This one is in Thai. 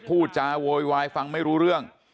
พูดจาโวยวายฟังไม่รู้เรื่อง